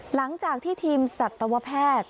หลังจากที่ทีมสัตวแพทย์